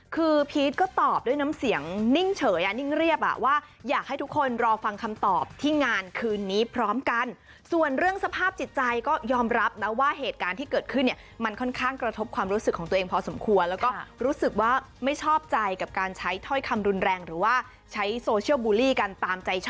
คือพีชก็ตอบด้วยน้ำเสียงนิ่งเฉยอ่ะนิ่งเรียบอ่ะว่าอยากให้ทุกคนรอฟังคำตอบที่งานคืนนี้พร้อมกันส่วนเรื่องสภาพจิตใจก็ยอมรับนะว่าเหตุการณ์ที่เกิดขึ้นเนี่ยมันค่อนข้างกระทบความรู้สึกของตัวเองพอสมควรแล้วก็รู้สึกว่าไม่ชอบใจกับการใช้ถ้อยคำรุนแรงหรือว่าใช้โซเชียลบูลลี่กันตามใจ